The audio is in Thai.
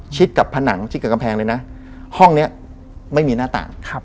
กับผนังชิดกับกำแพงเลยนะห้องนี้ไม่มีหน้าต่าง